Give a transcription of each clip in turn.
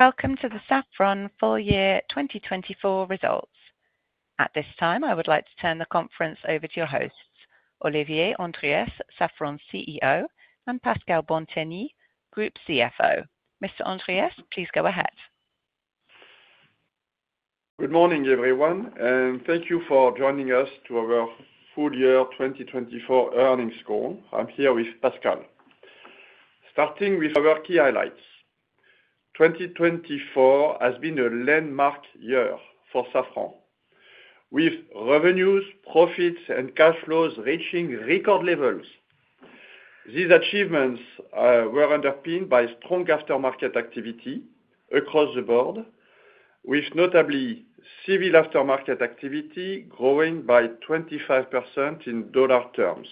Welcome to the Safran full year 2024 results. At this time, I would like to turn the conference over to your hosts, Olivier Andriès, Safran CEO, and Pascal Bantegnie, Group CFO. Mr. Andriès, please go ahead. Good morning, everyone, and thank you for joining us to our full year 2024 earnings call. I'm here with Pascal. Starting with our key highlights, 2024 has been a landmark year for Safran, with revenues, profits, and cash flows reaching record levels. These achievements were underpinned by strong aftermarket activity across the board, with notably civil aftermarket activity growing by 25% in dollar terms,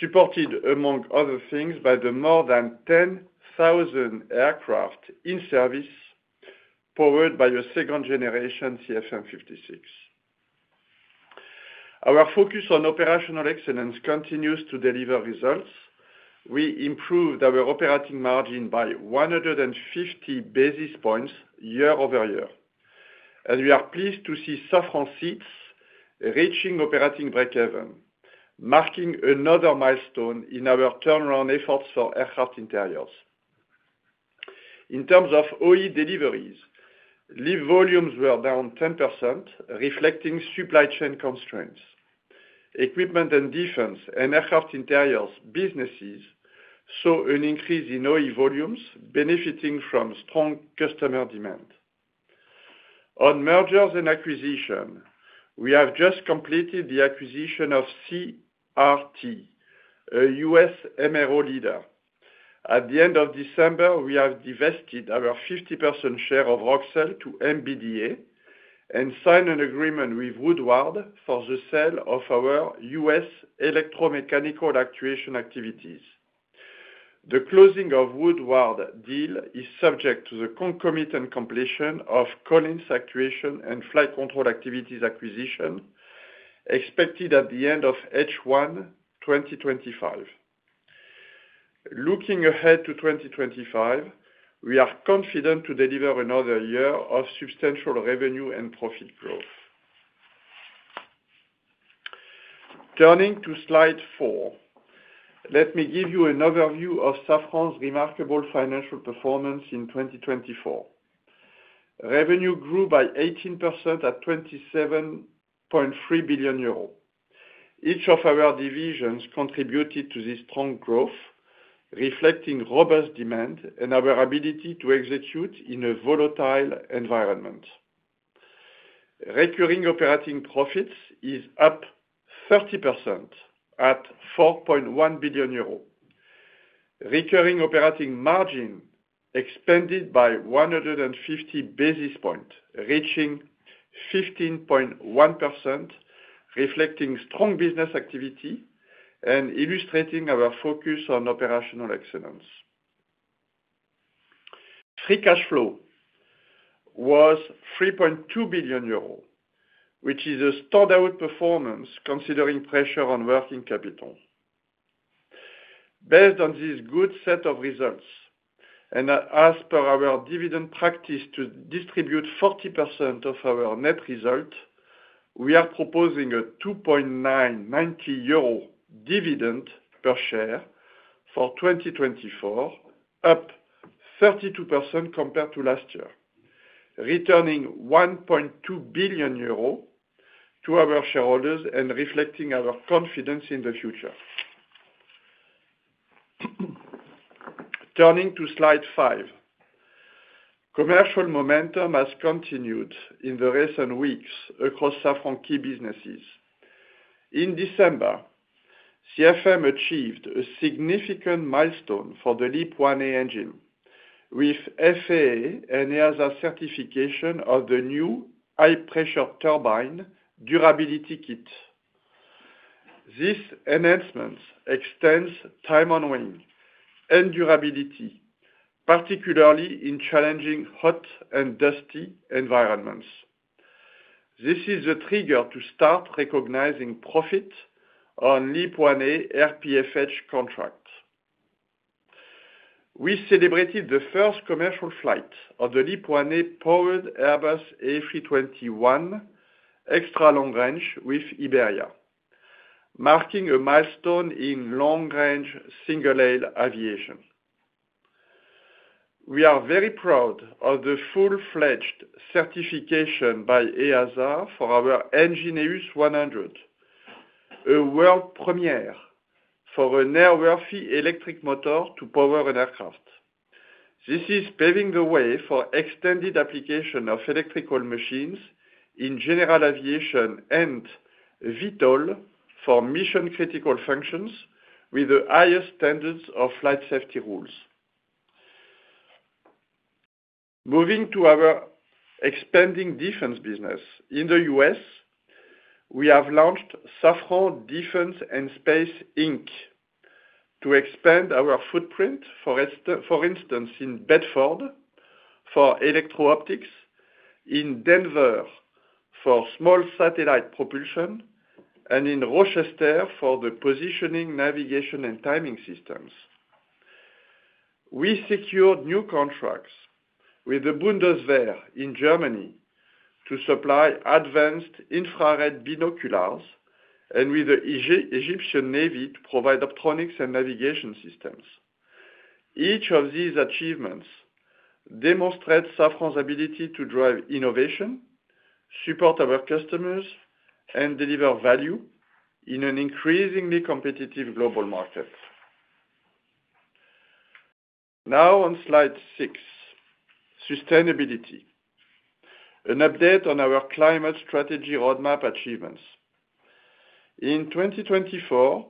supported, among other things, by the more than 10,000 aircraft in service powered by a second generation CFM56. Our focus on operational excellence continues to deliver results. We improved our operating margin by 150 basis points year-over-year, and we are pleased to see Safran Seats reaching operating breakeven, marking another milestone in our turnaround efforts for Aircraft Interiors. In terms of OE deliveries, LEAP volumes were down 10%, reflecting supply chain constraints. Equipment & Defense and Aircraft Interiors businesses saw an increase in OE volumes, benefiting from strong customer demand. On mergers and acquisitions, we have just completed the acquisition of CRT, a U.S. MRO leader. At the end of December, we have divested our 50% share of Roxel to MBDA and signed an agreement with Woodward for the sale of our U.S. electromechanical actuation activities. The closing of Woodward deal is subject to the concomitant completion of Collins Actuation and Flight Control Activities acquisition, expected at the end of H1 2025. Looking ahead to 2025, we are confident to deliver another year of substantial revenue and profit growth. Turning to slide four, let me give you an overview of Safran's remarkable financial performance in 2024. Revenue grew by 18% at 27.3 billion euros. Each of our divisions contributed to this strong growth, reflecting robust demand and our ability to execute in a volatile environment. Recurring operating profits is up 30% at 4.1 billion euro. Recurring operating margin expanded by 150 basis points, reaching 15.1%, reflecting strong business activity and illustrating our focus on operational excellence. Free cash flow was 3.2 billion euros, which is a standout performance considering pressure on working capital. Based on this good set of results and as per our dividend practice to distribute 40% of our net result, we are proposing a 2.90 euro dividend per share for 2024, up 32% compared to last year, returning 1.2 billion euro to our shareholders and reflecting our confidence in the future. Turning to slide five, commercial momentum has continued in the recent weeks across Safran key businesses. In December, CFM achieved a significant milestone for the LEAP-1A engine, with FAA and EASA certification of the new high-pressure turbine durability kit. This enhancement extends time on wing and durability, particularly in challenging hot and dusty environments. This is a trigger to start recognizing profit on LEAP-1A RPFH contracts. We celebrated the first commercial flight of the LEAP-1A powered Airbus A321 extra long range with Iberia, marking a milestone in long range single-aisle aviation. We are very proud of the full-fledged certification by EASA for our ENGINeUS 100, a world premiere for an airworthy electric motor to power an aircraft. This is paving the way for extended application of electrical machines in general aviation and VTOL for mission-critical functions with the highest standards of flight safety rules. Moving to our expanding defense business, in the U.S., we have launched Safran Defense and Space Inc. To expand our footprint, for instance, in Bedford for electro-optics, in Denver for small satellite propulsion, and in Rochester for the positioning, navigation, and timing systems. We secured new contracts with the Bundeswehr in Germany to supply advanced infrared binoculars and with the Egyptian Navy to provide optronics and navigation systems. Each of these achievements demonstrates Safran's ability to drive innovation, support our customers, and deliver value in an increasingly competitive global market. Now on slide six, sustainability. An update on our climate strategy roadmap achievements. In 2024,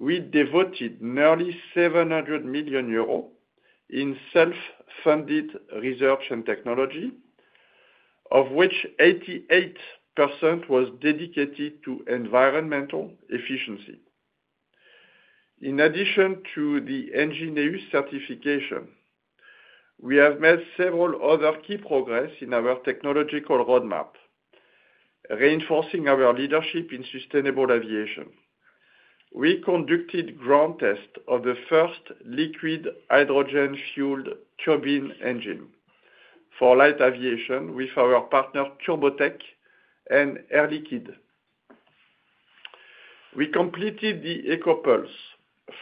we devoted nearly 700 million euros in self-funded research and technology, of which 88% was dedicated to environmental efficiency. In addition to the ENGINeUS certification, we have made several other key progress in our technological roadmap, reinforcing our leadership in sustainable aviation. We conducted ground tests of the first liquid hydrogen-fueled turbine engine for light aviation with our partner Turbotech and Air Liquide. We completed the EcoPulse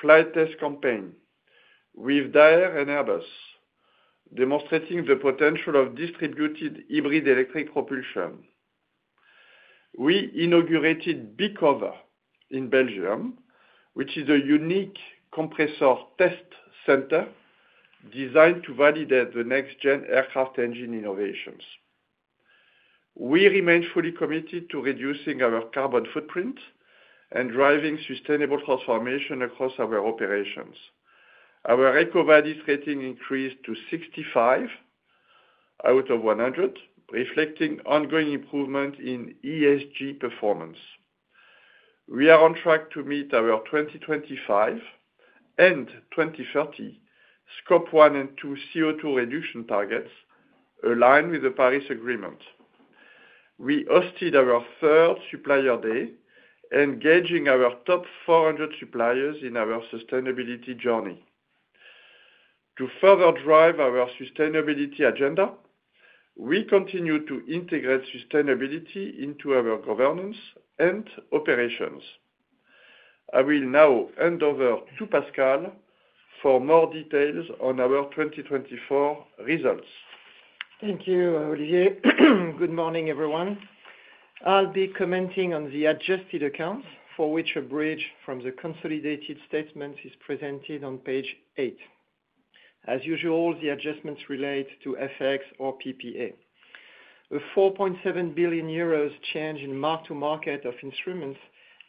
flight test campaign with Daher and Airbus, demonstrating the potential of distributed hybrid electric propulsion. We inaugurated BeCover in Belgium, which is a unique compressor test center designed to validate the next-gen aircraft engine innovations. We remain fully committed to reducing our carbon footprint and driving sustainable transformation across our operations. Our EcoVadis rating increased to 65 out of 100, reflecting ongoing improvement in ESG performance. We are on track to meet our 2025 and 2030 Scope 1 and 2 CO2 reduction targets, aligned with the Paris Agreement. We hosted our third Supplier Day, engaging our top 400 suppliers in our sustainability journey. To further drive our sustainability agenda, we continue to integrate sustainability into our governance and operations. I will now hand over to Pascal for more details on our 2024 results. Thank you, Olivier. Good morning, everyone. I'll be commenting on the adjusted accounts for which a bridge from the consolidated statements is presented on page eight. As usual, the adjustments relate to FX or PPA. A 4.7 billion euros change in mark-to-market of instruments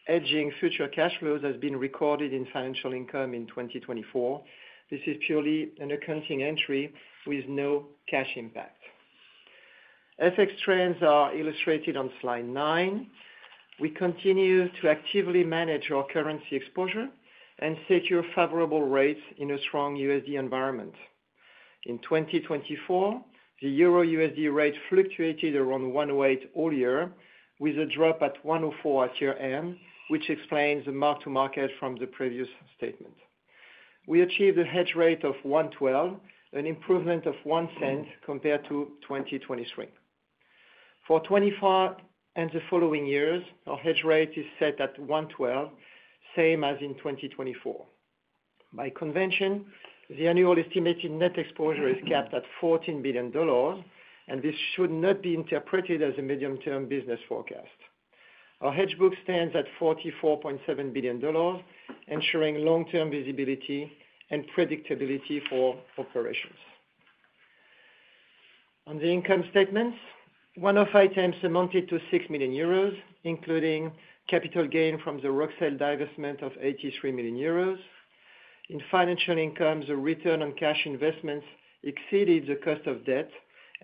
hedging future cash flows has been recorded in financial income in 2024. This is purely an accounting entry with no cash impact. FX trends are illustrated on slide nine. We continue to actively manage our currency exposure and secure favorable rates in a strong USD environment. In 2024, the EUR USD rate fluctuated around 1.08 all year, with a drop at 1.04 at year-end, which explains the mark-to-market from the previous statement. We achieved a hedge rate of 1.12, an improvement of one cent compared to 2023. For 2024 and the following years, our hedge rate is set at 1.12, same as in 2024. By convention, the annual estimated net exposure is capped at $14 billion, and this should not be interpreted as a medium-term business forecast. Our hedge book stands at $44.7 billion, ensuring long-term visibility and predictability for operations. On the income statements, one of items amounted to 6 million euros, including capital gain from the Roxel divestment of 83 million euros. In financial income, the return on cash investments exceeded the cost of debt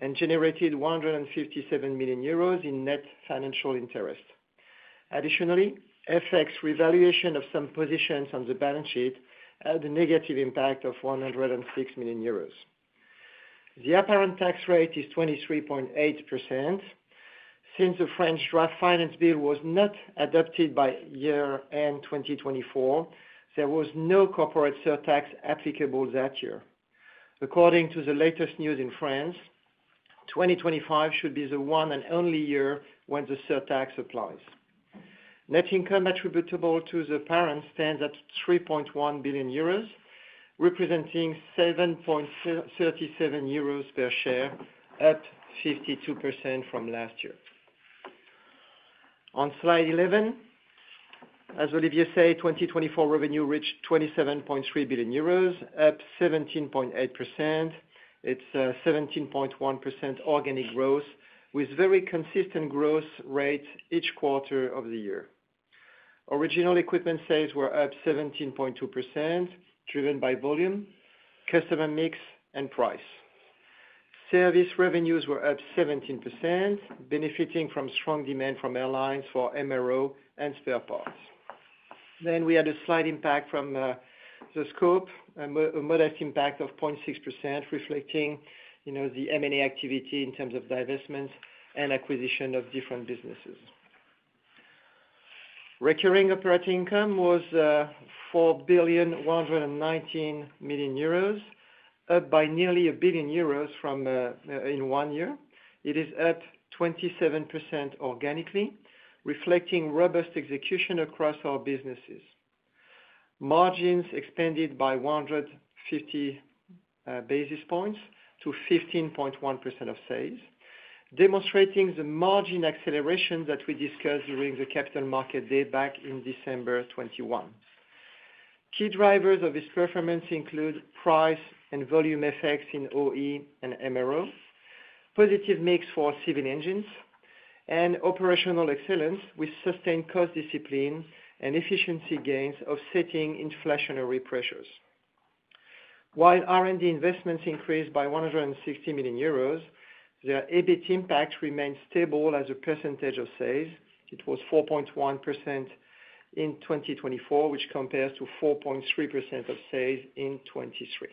and generated 157 million euros in net financial interest. Additionally, FX revaluation of some positions on the balance sheet had a negative impact of 106 million euros. The apparent tax rate is 23.8%. Since the French draft finance bill was not adopted by year-end 2024, there was no corporate surtax applicable that year. According to the latest news in France, 2025 should be the one and only year when the surtax applies. Net income attributable to the parent stands at 3.1 billion euros, representing 7.37 euros per share, up 52% from last year. On slide 11, as Olivier said, 2024 revenue reached 27.3 billion euros, up 17.8%. It's a 17.1% organic growth with very consistent growth rates each quarter of the year. Original equipment sales were up 17.2%, driven by volume, customer mix, and price. Service revenues were up 17%, benefiting from strong demand from airlines for MRO and spare parts. Then we had a slight impact from the scope, a modest impact of 0.6%, reflecting the M&A activity in terms of divestments and acquisition of different businesses. Recurring operating income was 4,119 million euros, up by nearly 1 billion in one year. It is up 27% organically, reflecting robust execution across our businesses. Margins expanded by 150 basis points to 15.1% of sales, demonstrating the margin acceleration that we discussed during the Capital Market Day back in December 2021. Key drivers of this performance include price and volume effects in OE and MRO, positive mix for civil engines, and operational excellence with sustained cost discipline and efficiency gains offsetting inflationary pressures. While R&D investments increased by 160 million euros, their EBIT impact remained stable as a percentage of sales. It was 4.1% in 2024, which compares to 4.3% of sales in 2023.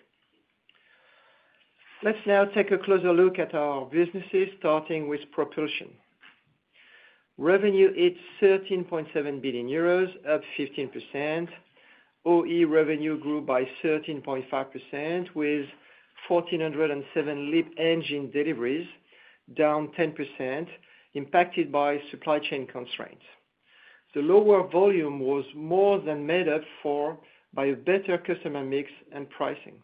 Let's now take a closer look at our businesses starting with propulsion. Revenue hit 13.7 billion euros, up 15%. OE revenue grew by 13.5% with 1,407 LEAP engine deliveries, down 10%, impacted by supply chain constraints. The lower volume was more than made up for by a better customer mix and pricing.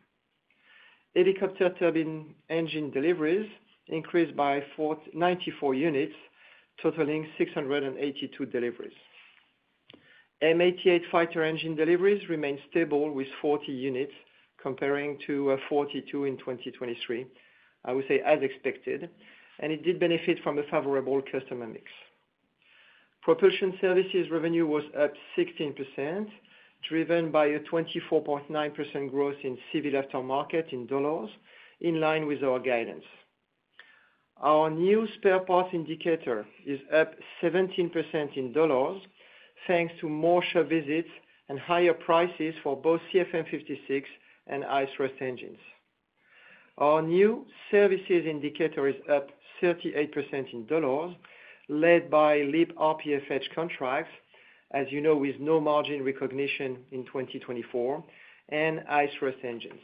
Helicopter turbine engine deliveries increased by 94 units, totaling 682 deliveries. M88 fighter engine deliveries remained stable with 40 units, comparing to 42 in 2023, I would say as expected, and it did benefit from a favorable customer mix. Propulsion services revenue was up 16%, driven by a 24.9% growth in civil aftermarket in dollars, in line with our guidance. Our new spare parts indicator is up 17% in dollars, thanks to more shop visits and higher prices for both CFM56 and high-thrust engines. Our new services indicator is up 38% in dollars, led by LEAP RPFH contracts, as you know, with no margin recognition in 2024, and high-thrust engines.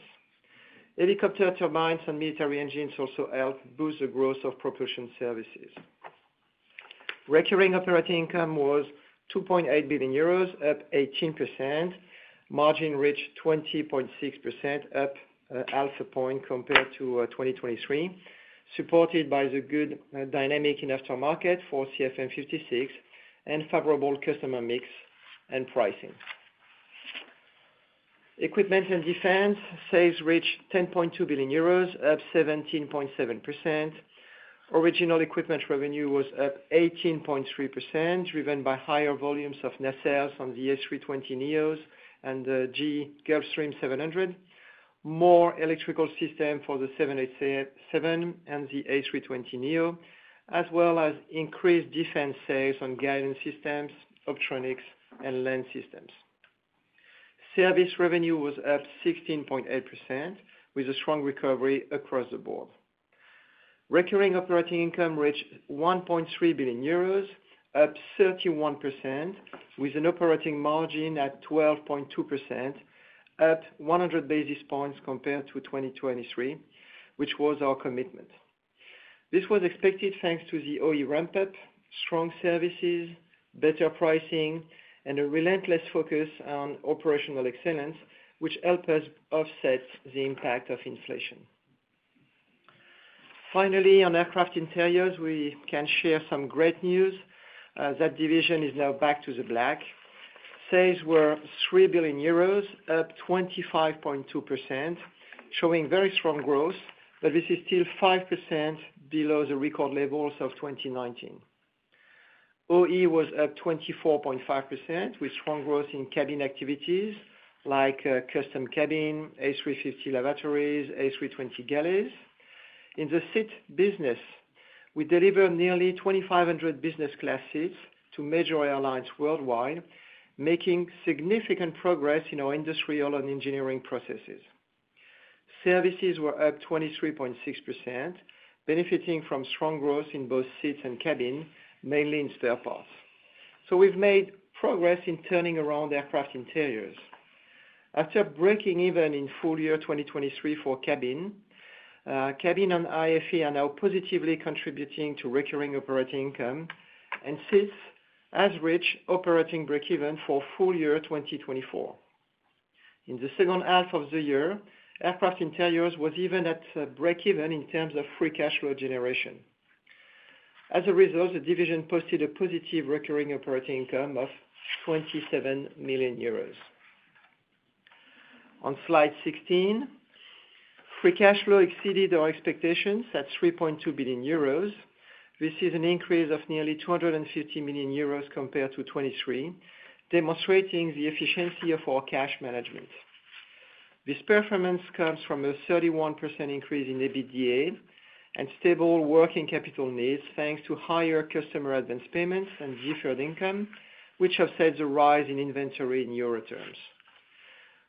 Helicopter turbines and military engines also helped boost the growth of propulsion services. Recurring operating income was 2.8 billion euros, up 18%. Margin reached 20.6%, up an half a point compared to 2023, supported by the good dynamic in aftermarket for CFM56 and favorable customer mix and pricing. Equipment and defense sales reached 10.2 billion euros, up 17.7%. Original equipment revenue was up 18.3%, driven by higher volumes of nacelles on the A320neos and the Gulfstream G700, more electrical systems for the 787 and the A320neo, as well as increased defense sales on guidance systems, optronics, and land systems. Service revenue was up 16.8%, with a strong recovery across the board. Recurring operating income reached 1.3 billion euros, up 31%, with an operating margin at 12.2%, up 100 basis points compared to 2023, which was our commitment. This was expected thanks to the OE ramp-up, strong services, better pricing, and a relentless focus on operational excellence, which helped us offset the impact of inflation. Finally, on Aircraft Interiors, we can share some great news. That division is now back in the black. Sales were 3 billion euros, up 25.2%, showing very strong growth, but this is still 5% below the record levels of 2019. OE was up 24.5%, with strong growth in cabin activities like custom cabin, A350 lavatory, A320 galleys. In the seat business, we deliver nearly 2,500 business class seats to major airlines worldwide, making significant progress in our industrial and engineering processes. Services were up 23.6%, benefiting from strong growth in both seats and cabin, mainly in spare parts. So we've made progress in turning around Aircraft Interiors. After breaking even in full year 2023 for cabin, cabin and IFE are now positively contributing to recurring operating income and seats are reaching operating break-even for full year 2024. In the second half of the year, Aircraft Interiors was even at break-even in terms of free cash flow generation. As a result, the division posted a positive recurring operating income of 27 million euros. On slide 16, free cash flow exceeded our expectations at 3.2 billion euros. This is an increase of nearly 250 million euros compared to 2023, demonstrating the efficiency of our cash management. This performance comes from a 31% increase in EBITDA and stable working capital needs, thanks to higher customer advance payments and deferred income, which have set the rise in inventory in euro terms.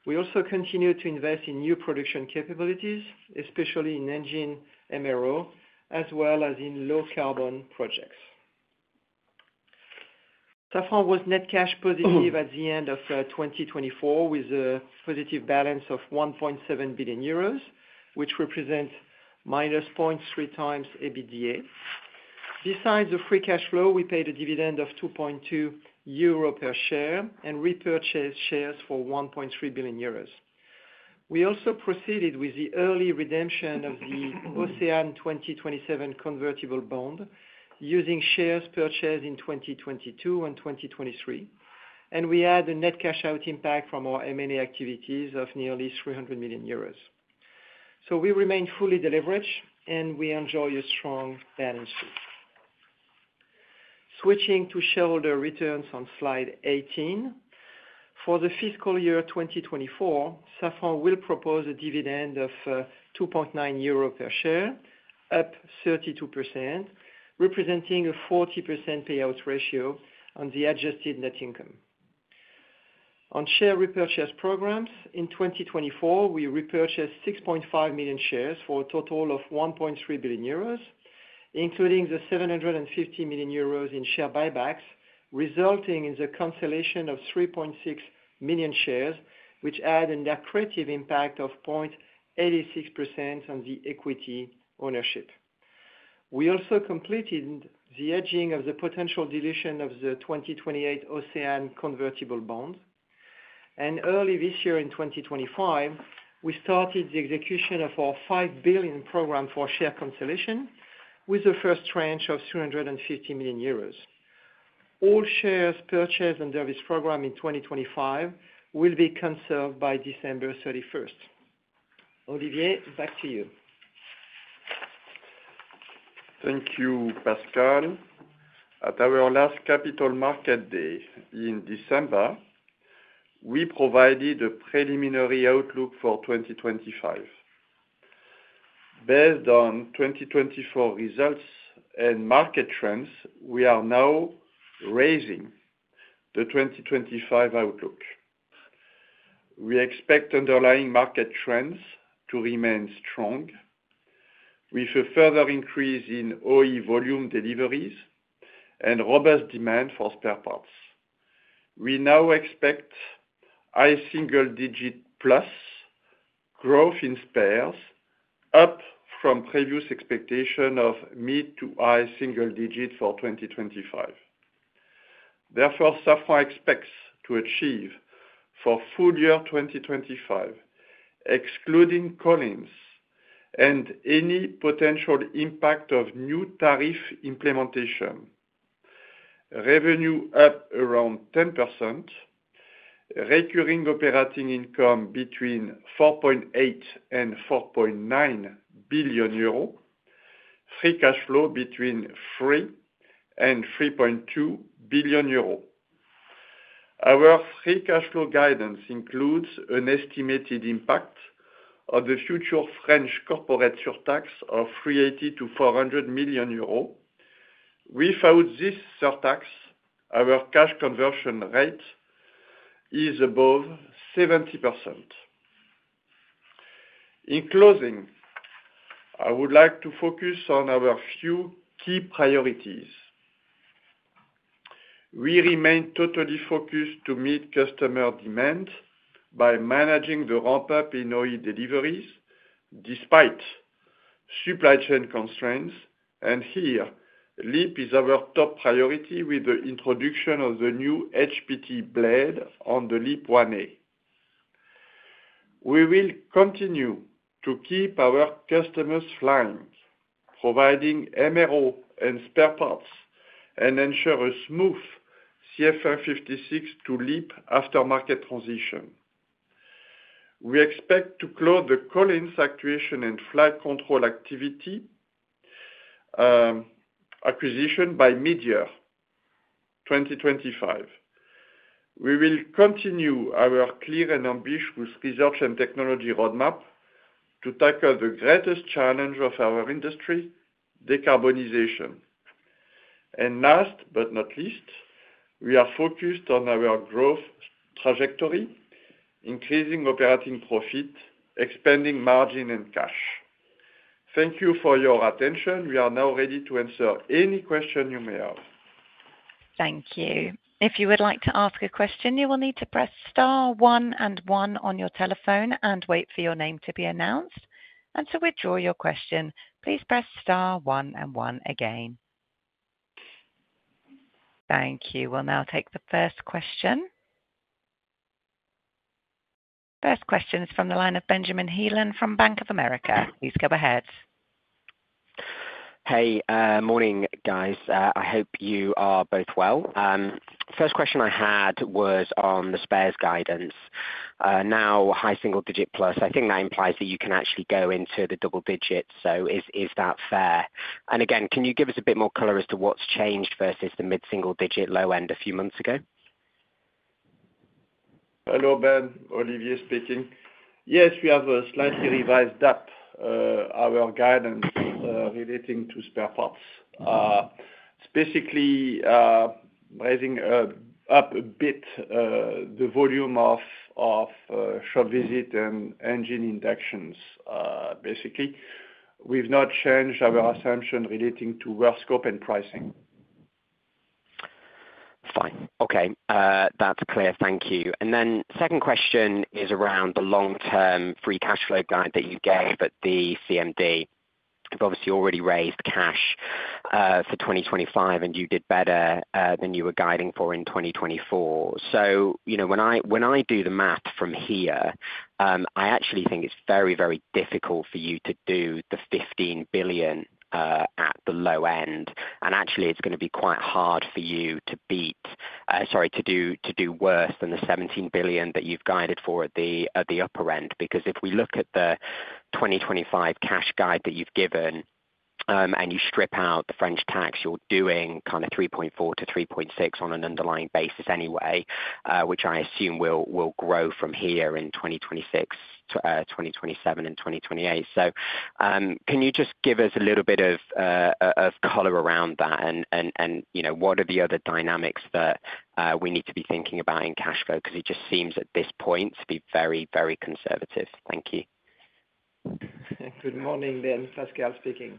We also continue to invest in new production capabilities, especially in engine MRO, as well as in low-carbon projects. Safran was net cash positive at the end of 2024 with a positive balance of 1.7 billion euros, which represents minus 0.3 times EBITDA. Besides the free cash flow, we paid a dividend of 2.2 euro per share and repurchased shares for 1.3 billion euros. We also proceeded with the early redemption of the OCEANE 2027 convertible bond using shares purchased in 2022 and 2023, and we had a net cash-out impact from our M&A activities of nearly 300 million euros. So we remain fully delivered, and we enjoy a strong balance sheet. Switching to shareholder returns on slide 18, for the fiscal year 2024, Safran will propose a dividend of 2.9 euro per share, up 32%, representing a 40% payout ratio on the adjusted net income. On share repurchase programs, in 2024, we repurchased 6.5 million shares for a total of 1.3 billion euros, including the 750 million euros in share buybacks, resulting in the cancellation of 3.6 million shares, which add a dilutive impact of 0.86% on the equity ownership. We also completed the hedging of the potential redemption of the 2028 OCEANE convertible bond, and early this year, in 2025, we started the execution of our 5 billion program for share cancellation, with a first tranche of 350 million euros. All shares purchased under this program in 2025 will be cancelled by December 31st. Olivier, back to you. Thank you, Pascal. At our last Capital Market Day in December, we provided a preliminary outlook for 2025. Based on 2024 results and market trends, we are now raising the 2025 outlook. We expect underlying market trends to remain strong, with a further increase in OE volume deliveries and robust demand for spare parts. We now expect high single-digit plus growth in spares, up from previous expectation of mid- to high-single-digit for 2025. Therefore, Safran expects to achieve for full year 2025, excluding Collins and any potential impact of new tariff implementation, revenue up around 10%, recurring operating income between 4.8 billion and 4.9 billion euro, free cash flow between 3 billion and 3.2 billion euro. Our free cash flow guidance includes an estimated impact on the future French corporate surtax of 380 million to 400 million euros. Without this surtax, our cash conversion rate is above 70%. In closing, I would like to focus on our few key priorities. We remain totally focused to meet customer demand by managing the ramp-up in OE deliveries despite supply chain constraints, and here, LEAP is our top priority with the introduction of the new HPT blade on the LEAP-1A. We will continue to keep our customers flying, providing MRO and spare parts, and ensure a smooth CFM56 to LEAP aftermarket transition. We expect to close the Collins actuation and flight control activity acquisition by mid-year 2025. We will continue our clear and ambitious research and technology roadmap to tackle the greatest challenge of our industry, decarbonization, and last but not least, we are focused on our growth trajectory, increasing operating profit, expanding margin, and cash. Thank you for your attention. We are now ready to answer any question you may have. Thank you. If you would like to ask a question, you will need to press star one and one on your telephone and wait for your name to be announced, and to withdraw your question, please press star one and one again. Thank you. We'll now take the first question. First question is from the line of Benjamin Heelan from Bank of America. Please go ahead. Hey, morning, guys. I hope you are both well. First question I had was on the spares guidance. Now, high single digit plus, I think that implies that you can actually go into the double digits. So is that fair? And again, can you give us a bit more color as to what's changed versus the mid-single digit low end a few months ago? Hello, Ben. Olivier speaking. Yes, we have slightly revised up our guidance relating to spare parts. It's basically raising up a bit the volume of shop visit and engine inductions, basically. We've not changed our assumption relating to work scope and pricing. Fine. Okay. That's clear. Thank you. And then second question is around the long-term free cash flow guide that you gave at the CMD. You've obviously already raised cash for 2025, and you did better than you were guiding for in 2024. So when I do the math from here, I actually think it's very, very difficult for you to do the 15 billion at the low end. And actually, it's going to be quite hard for you to beat sorry, to do worse than the 17 billion that you've guided for at the upper end. Because if we look at the 2025 cash guide that you've given and you strip out the French tax, you're doing kind of 3.4 billion-3.6 billion on an underlying basis anyway, which I assume will grow from here in 2026, 2027, and 2028. So can you just give us a little bit of color around that? And what are the other dynamics that we need to be thinking about in cash flow? Because it just seems at this point to be very, very conservative. Thank you. Good morning Ben. Pascal speaking.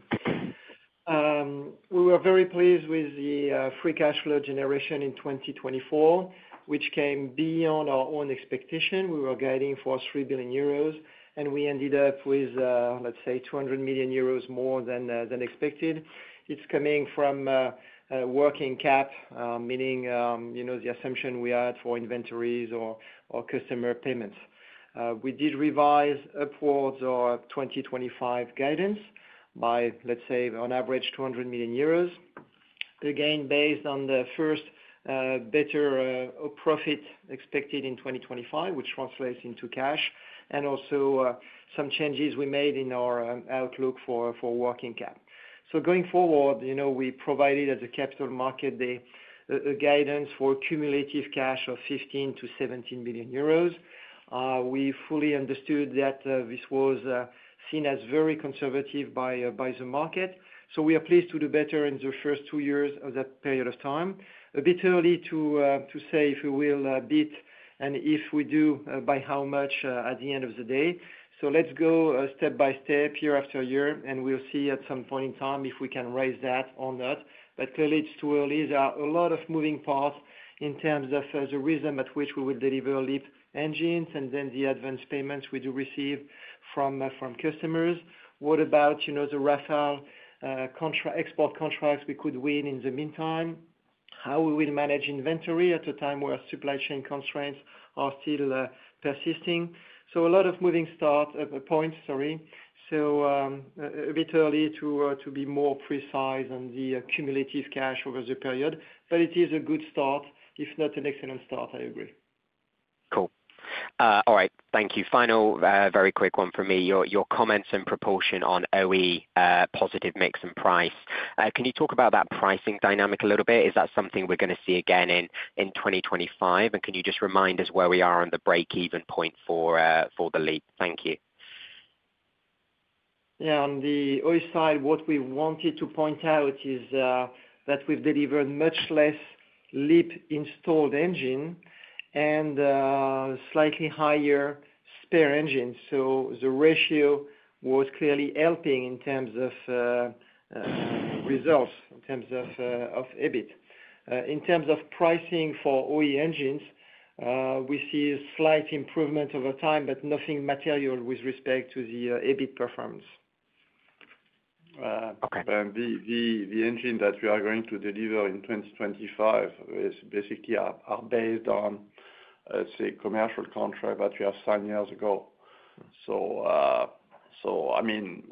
We were very pleased with the free cash flow generation in 2024, which came beyond our own expectation. We were guiding for 3 billion euros, and we ended up with, let's say, 200 million euros more than expected. It's coming from working cap, meaning the assumption we had for inventories or customer payments. We did revise upwards our 2025 guidance by, let's say, on average, 200 million euros. Again, based on the first better profit expected in 2025, which translates into cash, and also some changes we made in our outlook for working cap. So going forward, we provided at the capital market the guidance for cumulative cash of 15 billion-17 billion euros. We fully understood that this was seen as very conservative by the market. So we are pleased to do better in the first two years of that period of time. A bit early to say if we will beat and if we do by how much at the end of the day. So let's go step by step year after year, and we'll see at some point in time if we can raise that or not. But clearly, it's too early. There are a lot of moving parts in terms of the rate at which we will deliver LEAP engines and then the advance payments we do receive from customers. What about the Rafale export contracts we could win in the meantime? How we will manage inventory at a time where supply chain constraints are still persisting. So a lot of moving start points, sorry. So a bit early to be more precise on the cumulative cash over the period, but it is a good start, if not an excellent start, I agree. Cool. All right. Thank you. Final, very quick one for me. Your comments and proportion on OE positive mix and price. Can you talk about that pricing dynamic a little bit? Is that something we're going to see again in 2025? And can you just remind us where we are on the break-even point for the LEAP? Thank you. Yeah. On the OE side, what we wanted to point out is that we've delivered much less LEAP installed engine and slightly higher spare engines. So the ratio was clearly helping in terms of results, in terms of EBIT. In terms of pricing for OE engines, we see a slight improvement over time, but nothing material with respect to the EBIT performance. The engine that we are going to deliver in 2025 is basically based on, let's say, a commercial contract that we have signed years ago. So, I mean,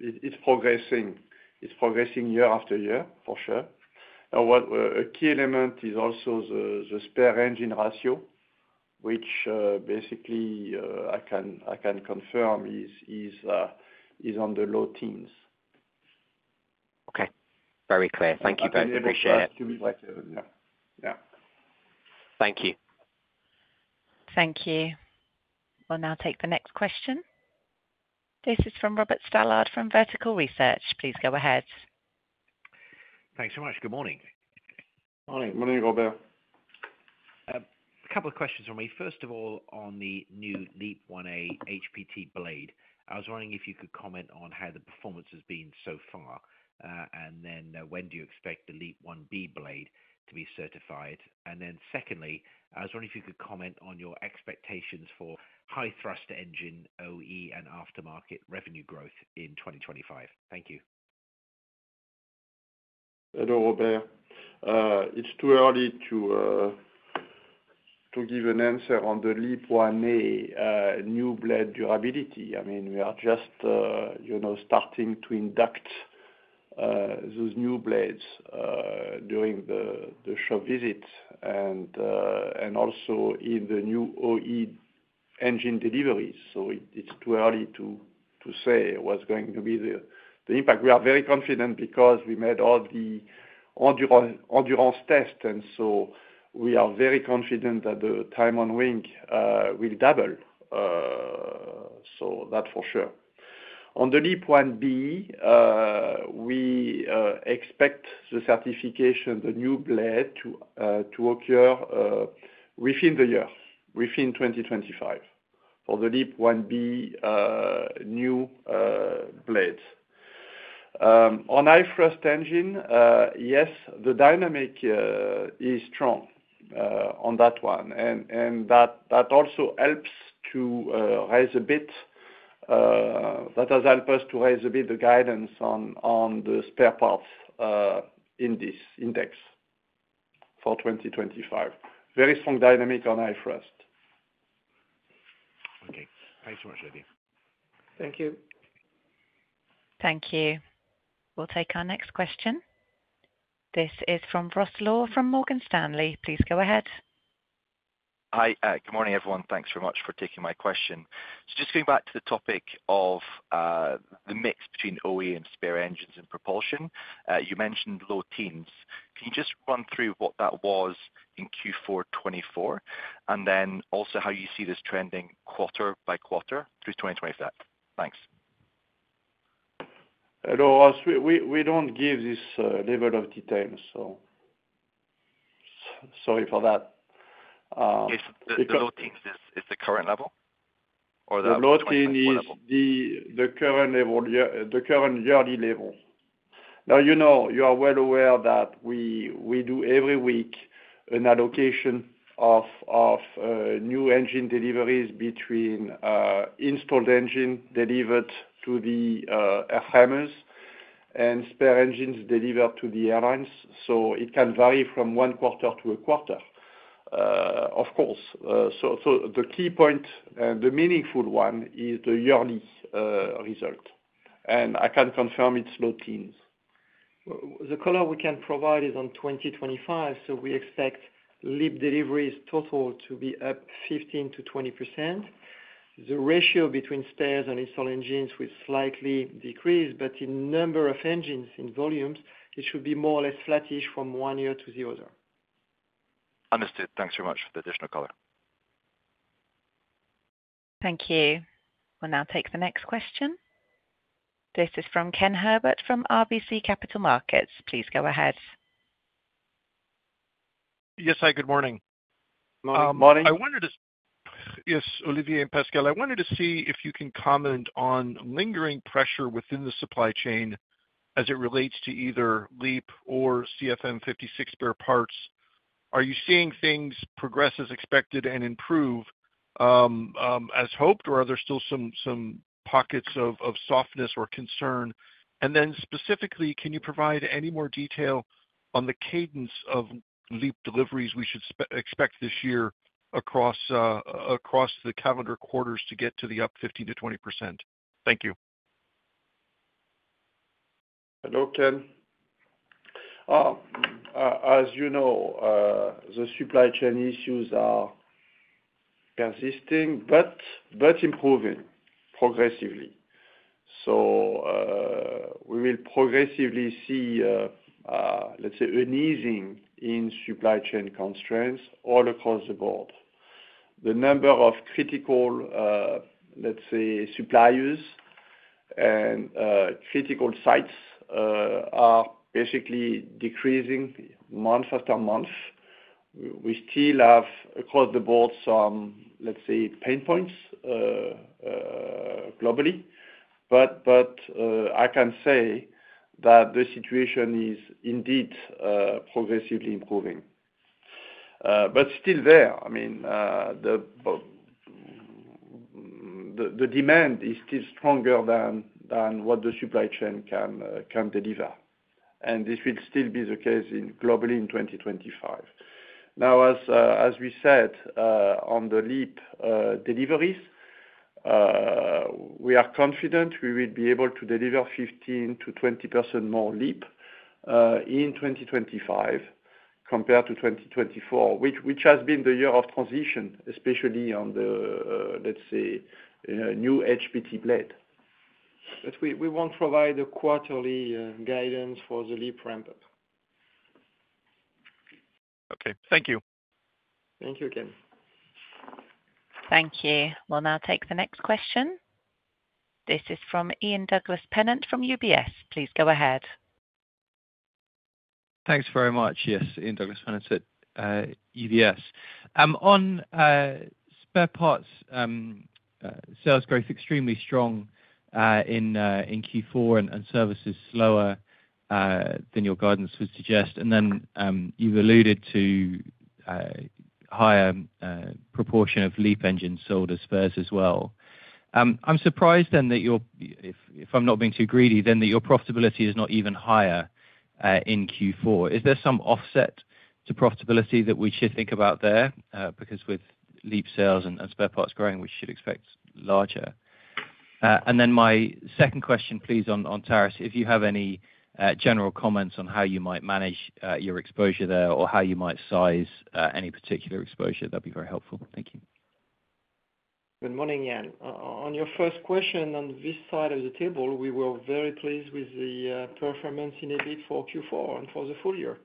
it's progressing year after year, for sure. A key element is also the spare engine ratio, which basically I can confirm is on the low teens. Thank you. Thank you. We'll now take the next question. This is from Robert Stallard from Vertical Research. Please go ahead. Thanks so much. Good morning. Morning. Morning, Robert. A couple of questions for me. First of all, on the new LEAP-1A HPT blade, I was wondering if you could comment on how the performance has been so far. And then when do you expect the LEAP-1B blade to be certified? And then secondly, I was wondering if you could comment on your expectations for high-thrust engine OE and aftermarket revenue growth in 2025. Thank you. Hello, Robert. It's too early to give an answer on the LEAP-1A new blade durability. I mean, we are just starting to induct those new blades during the shop visits and also in the new OE engine deliveries. So it's too early to say what's going to be the impact. We are very confident because we made all the endurance tests. And so we are very confident that the time on wing will double. So that's for sure. On the LEAP-1B, we expect the certification, the new blade, to occur within the year, within 2025, for the LEAP-1B new blades. On high-thrust engine, yes, the dynamic is strong on that one. And that also helps to raise a bit, that has helped us to raise a bit the guidance on the spare parts index for 2025. Very strong dynamic on high-thrust. Okay. Thanks so much, Olivier. Thank you. Thank you. We'll take our next question. This is from Ross Law from Morgan Stanley. Please go ahead. Hi. Good morning, everyone. Thanks very much for taking my question. So just going back to the topic of the mix between OE and spare engines and propulsion, you mentioned low teens. Can you just run through what that was in Q4 2024? And then also how you see this trending quarter by quarter through 2025? Thanks. Hello. We don't give this level of details, so sorry for that. The low teens is the current level? Or The low teens is the current yearly level. Now, you are well aware that we do every week an allocation of new engine deliveries between installed engine delivered to the airframes and spare engines delivered to the airlines. So it can vary from one quarter to a quarter, of course. So the key point and the meaningful one is the yearly result. And I can confirm it's low teens. The color we can provide is on 2025. So we expect LEAP deliveries total to be up 15%-20%. The ratio between spares and installed engines will slightly decrease, but in number of engines, in volumes, it should be more or less flattish from one year to the other. Understood. Thanks very much for the additional color. Thank you. We'll now take the next question. This is from Ken Herbert from RBC Capital Markets. Please go ahead. Yes, hi. Good morning. Morning. Morning. Yes, Olivier and Pascal. I wanted to see if you can comment on lingering pressure within the supply chain as it relates to either LEAP or CFM56 spare parts. Are you seeing things progress as expected and improve as hoped, or are there still some pockets of softness or concern? And then specifically, can you provide any more detail on the cadence of LEAP deliveries we should expect this year across the calendar quarters to get to the up 15%-20%? Thank you. Hello, Ken. As you know, the supply chain issues are persisting but improving progressively. So we will progressively see, let's say, an easing in supply chain constraints all across the board. The number of critical, let's say, suppliers and critical sites are basically decreasing month after month. We still have across the board some, let's say, pain points globally. But I can say that the situation is indeed progressively improving. But still there, I mean, the demand is still stronger than what the supply chain can deliver. This will still be the case globally in 2025. Now, as we said on the LEAP deliveries, we are confident we will be able to deliver 15%-20% more LEAP in 2025 compared to 2024, which has been the year of transition, especially on the, let's say, new HPT blade. But we won't provide a quarterly guidance for the LEAP ramp-up. Okay. Thank you. Thank you, Ken. Thank you. We'll now take the next question. This is from Ian Douglas-Pennant from UBS. Please go ahead. Thanks very much. Yes, Ian Douglas-Pennant at UBS. On spare parts, sales growth extremely strong in Q4 and services slower than your guidance would suggest. And then you've alluded to higher proportion of LEAP engines sold as spares as well. I'm surprised then that you're-if I'm not being too greedy-then that your profitability is not even higher in Q4. Is there some offset to profitability that we should think about there? Because with LEAP sales and spare parts growing, we should expect larger. And then my second question, please, on tariffs, if you have any general comments on how you might manage your exposure there or how you might size any particular exposure, that'd be very helpful. Thank you. Good morning, Ian. On your first question on this side of the table, we were very pleased with the performance in EBIT for Q4 and for the full year.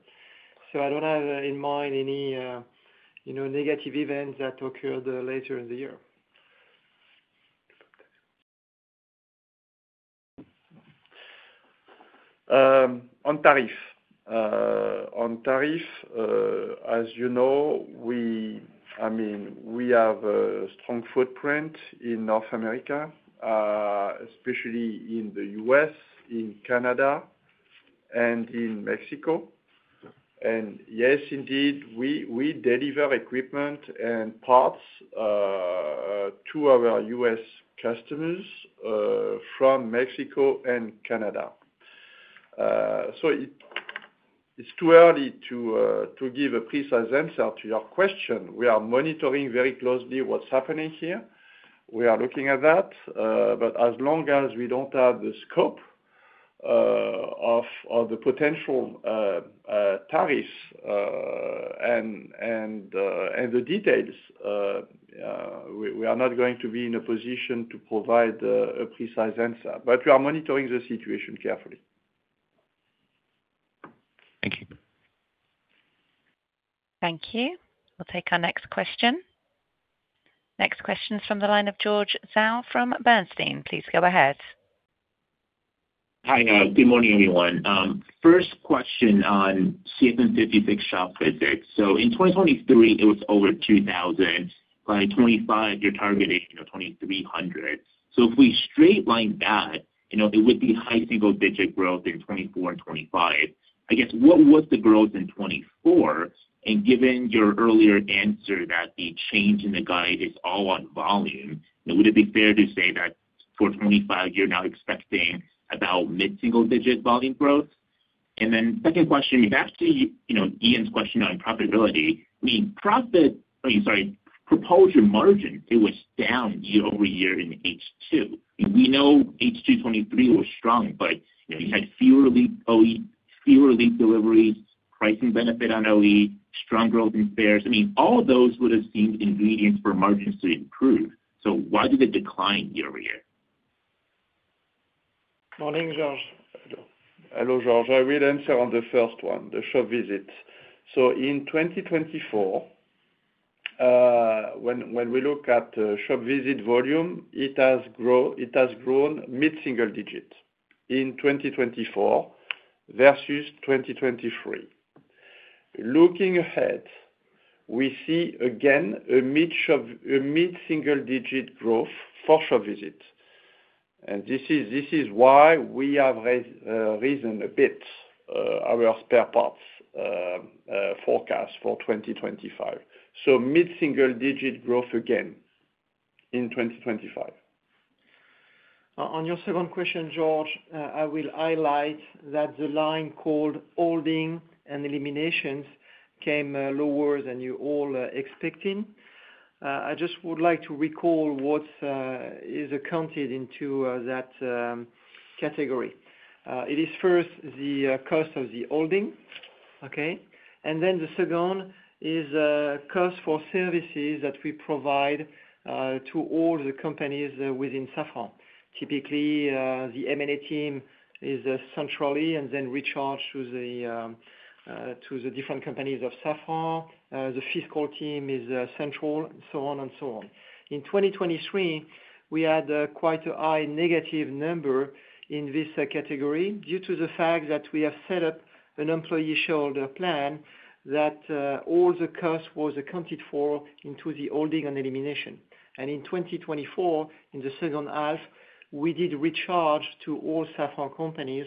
So I don't have in mind any negative events that occurred later in the year. On tariffs. On tariffs, as you know, I mean, we have a strong footprint in North America, especially in the U.S., in Canada, and in Mexico. And yes, indeed, we deliver equipment and parts to our U.S. customers from Mexico and Canada. So it's too early to give a precise answer to your question. We are monitoring very closely what's happening here. We are looking at that. But as long as we don't have the scope of the potential tariffs and the details, we are not going to be in a position to provide a precise answer. But we are monitoring the situation carefully. Thank you. Thank you. We'll take our next question. Next question's from the line of George Zhao from Bernstein. Please go ahead. Hi, good morning, everyone. First question on CFM56 shop visits. So in 2023, it was over 2,000. By 2025, you're targeting 2,300. So if we straight-line that, it would be high single-digit growth in 2024 and 2025. I guess, what was the growth in 2024? Given your earlier answer that the change in the guide is all on volume, would it be fair to say that for 2025, you're now expecting about mid-single-digit volume growth? And then second question back to Ian's question on profitability. I mean, profit, sorry, propulsion margin, it was down year-over-year in H2. We know H2 2023 was strong, but you had fewer LEAP deliveries, pricing benefit on OE, strong growth in spares. I mean, all those would have seemed ingredients for margins to improve. So why did it decline year-over-year? Morning, George. Hello, George. I will answer on the first one, the shop visits. So in 2024, when we look at shop visit volume, it has grown mid-single-digit in 2024 versus 2023. Looking ahead, we see again a mid-single-digit growth for shop visits. This is why we have raised a bit our spare parts forecast for 2025. Mid-single-digit growth again in 2025. On your second question, George, I will highlight that the line called holding and eliminations came lower than you all expecting. I just would like to recall what is accounted into that category. It is first the cost of the holding, okay? Then the second is cost for services that we provide to all the companies within Safran. Typically, the M&A team is centrally and then recharged to the different companies of Safran. The fiscal team is central, so on and so on. In 2023, we had quite a high negative number in this category due to the fact that we have set up an employee shareholder plan that all the costs were accounted for into the holding and elimination. In 2024, in the second half, we did recharge to all Safran companies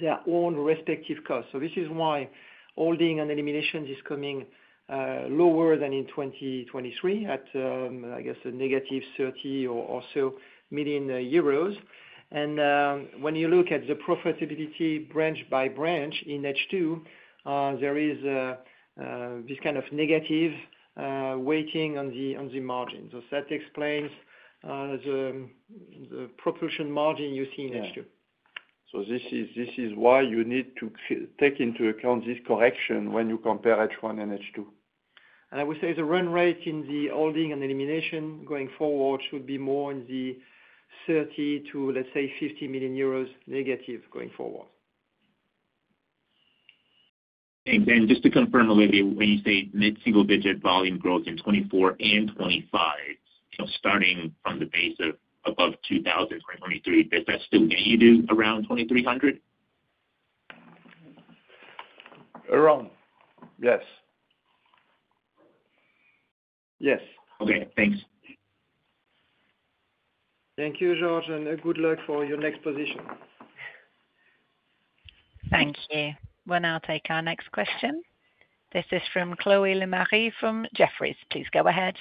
their own respective costs. So this is why holding and eliminations is coming lower than in 2023 at, I guess, a negative 30 million or so. And when you look at the profitability branch by branch in H2, there is this kind of negative weighting on the margin. So that explains the propulsion margin you see in H2. So this is why you need to take into account this correction when you compare H1 and H2. And I would say the run rate in the holding and elimination going forward should be more in the 30 million-50 million euros negative going forward. And just to confirm, Olivier, when you say mid-single-digit volume growth in 2024 and 2025, starting from the base of above 2,000 for 2023, does that still get you to around 2,300? Around, yes. Yes. Okay. Thanks. Thank you, George, and good luck for your next position. Thank you. We'll now take our next question. This is from Chloé Lemarié from Jefferies. Please go ahead.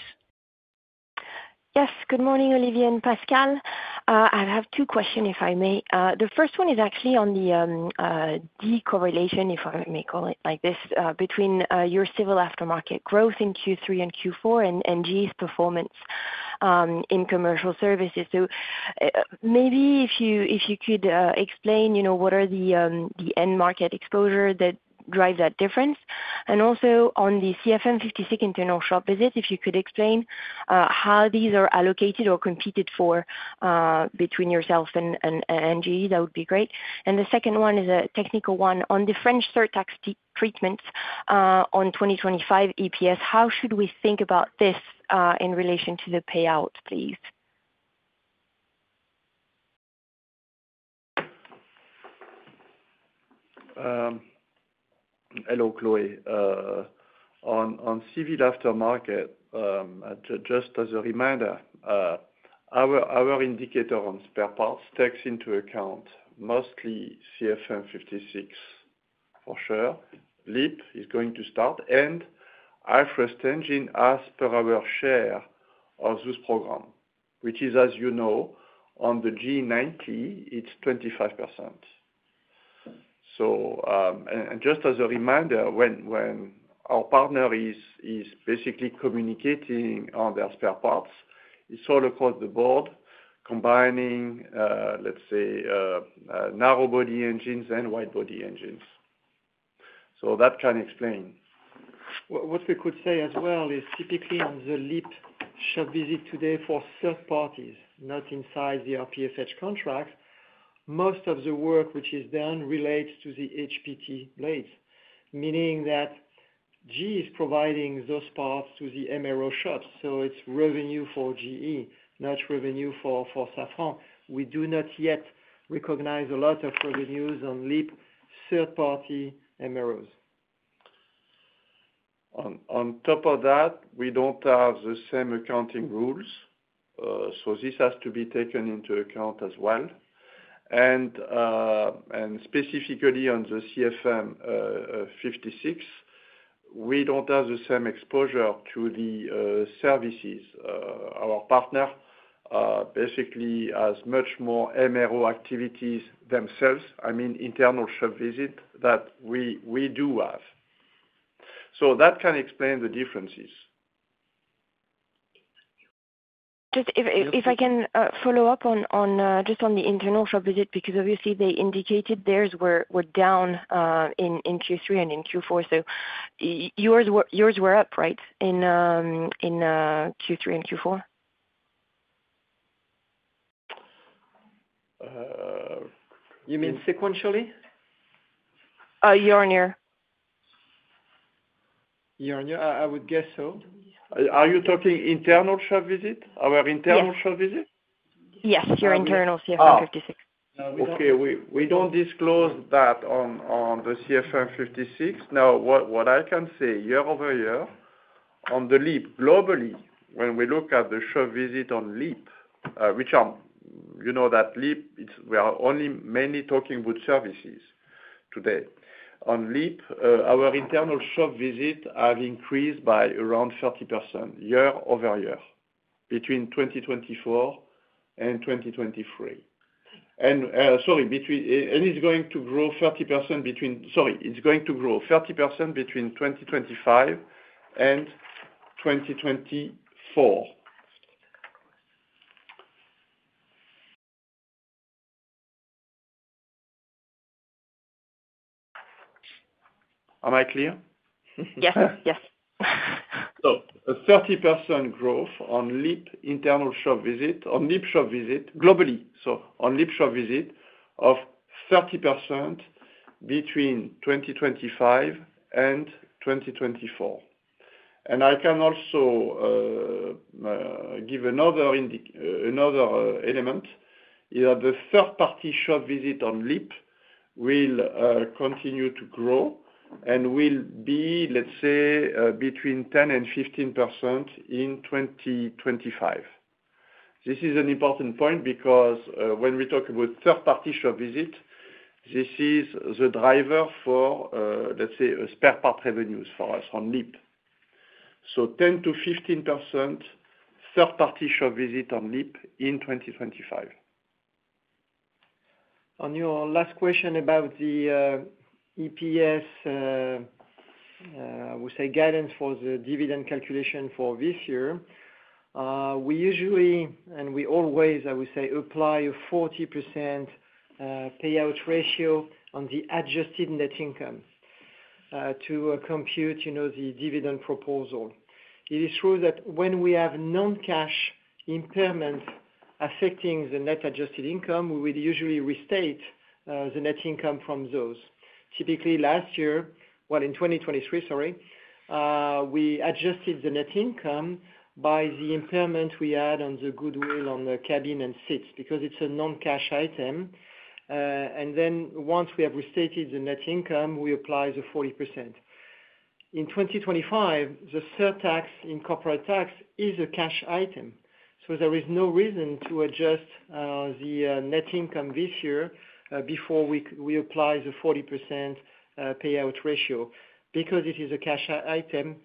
Yes. Good morning, Olivier and Pascal. I have two questions, if I may. The first one is actually on the decorrelation, if I may call it like this, between your civil aftermarket growth in Q3 and Q4 and GE's performance in commercial services. So maybe if you could explain what are the end market exposure that drives that difference? And also on the CFM56 internal shop visits, if you could explain how these are allocated or competed for between yourself and GE, that would be great. And the second one is a technical one. On the French surtax treatments on 2025 EPS, how should we think about this in relation to the payout, please? Hello, Chloé. On civil aftermarket, just as a reminder, our indicator on spare parts takes into account mostly CFM56 for sure. LEAP is going to start, and high-thrust engine has per our share of this program, which is, as you know, on the GE90, it's 25%. And just as a reminder, when our partner is basically communicating on their spare parts, it's all across the board, combining, let's say, narrow-body engines and wide-body engines. So that can explain. What we could say as well is typically on the LEAP shop visit today for third parties, not inside the RPFH contract, most of the work which is done relates to the HPT blades, meaning that GE is providing those parts to the MRO shops. So it's revenue for GE, not revenue for Safran. We do not yet recognize a lot of revenues on LEAP third-party MROs. On top of that, we don't have the same accounting rules. So this has to be taken into account as well, and specifically on the CFM56, we don't have the same exposure to the services. Our partner basically has much more MRO activities themselves, I mean, internal shop visit that we do have. So that can explain the differences. If I can follow up just on the internal shop visit, because obviously they indicated theirs were down in Q3 and in Q4. So yours were up, right, in Q3 and Q4? You mean sequentially? Year on year. Year on year, I would guess so. Are you talking internal shop visit, our internal shop visit? Yes, your internal CFM56. Okay. We don't disclose that on the CFM56. Now, what I can say year-over-year on the LEAP globally, when we look at the shop visit on LEAP, which you know that LEAP, we are only mainly talking about services today. On LEAP, our internal shop visit has increased by around 30% year-over-year between 2024 and 2023. And sorry, and it's going to grow 30% between sorry, it's going to grow 30% between 2025 and 2024. Am I clear? Yes, yes. So a 30% growth on LEAP internal shop visit on LEAP shop visit globally, so on LEAP shop visit of 30% between 2025 and 2024. I can also give another element, is that the third-party shop visit on LEAP will continue to grow and will be, let's say, between 10%-15% in 2025. This is an important point because when we talk about third-party shop visit, this is the driver for, let's say, spare part revenues for us on LEAP. 10%-15% third-party shop visit on LEAP in 2025. On your last question about the EPS, I would say guidance for the dividend calculation for this year, we usually and we always, I would say, apply a 40% payout ratio on the adjusted net income to compute the dividend proposal. It is true that when we have non-cash impairments affecting the net adjusted income, we would usually restate the net income from those. Typically, last year, well, in 2023, sorry, we adjusted the net income by the impairment we had on the goodwill on the cabin and seats because it's a non-cash item. And then once we have restated the net income, we apply the 40%. In 2025, the surtax in corporate tax is a cash item. So there is no reason to adjust the net income this year before we apply the 40% payout ratio because it is a cash item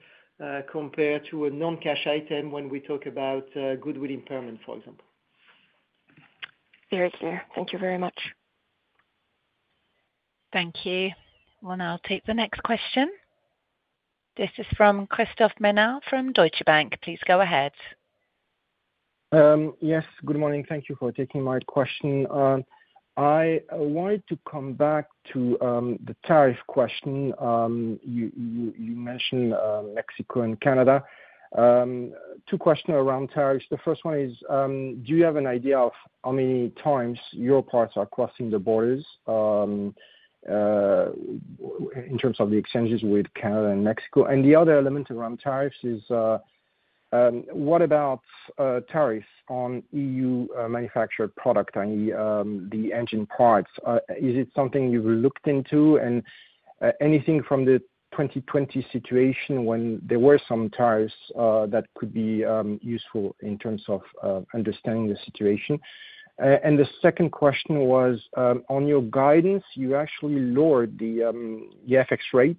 compared to a non-cash item when we talk about goodwill impairment, for example. Very clear. Thank you very much. Thank you. We'll now take the next question. This is from Christophe Menard from Deutsche Bank. Please go ahead. Yes. Good morning. Thank you for taking my question. I wanted to come back to the tariff question. You mentioned Mexico and Canada. Two questions around tariffs. The first one is, do you have an idea of how many times your parts are crossing the borders in terms of the exchanges with Canada and Mexico? And the other element around tariffs is, what about tariffs on EU manufactured product, i.e., the engine parts? Is it something you've looked into? And anything from the 2020 situation when there were some tariffs that could be useful in terms of understanding the situation? And the second question was, on your guidance, you actually lowered the FX rate.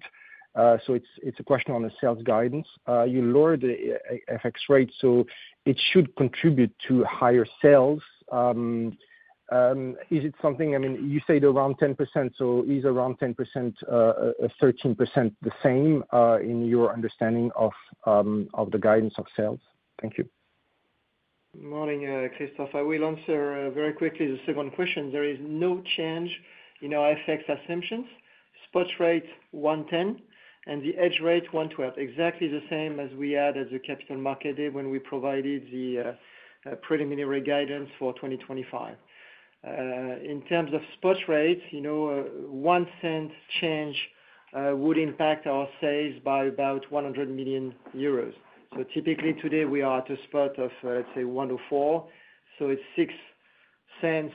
So it's a question on the sales guidance. You lowered the FX rate, so it should contribute to higher sales. Is it something? I mean, you said around 10%, so is around 10%, 13% the same in your understanding of the guidance of sales? Thank you. Morning, Christophe. I will answer very quickly the second question. There is no change in our FX assumptions. Spot rate 110 and the hedge rate 112. Exactly the same as we had as the Capital Markets Day when we provided the preliminary guidance for 2025. In terms of spot rates, one cent change would impact our sales by about 100 million euros. So typically today, we are at a spot of, let's say, 104. So it's six cents